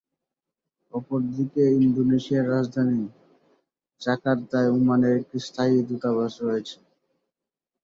অপরদিকে, ইন্দোনেশিয়ার রাজধানী জাকার্তায় ওমানের একটি স্থায়ী দূতাবাস রয়েছে।